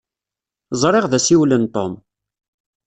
Ẓriɣ d asiwel n Tom.